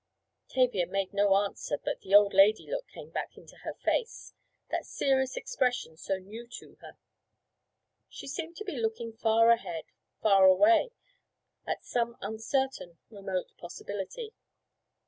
Tavia made no answer but the "old lady" look came back into her face—that serious expression so new to her. She seemed to be looking far ahead—far away—at some uncertain, remote possibility.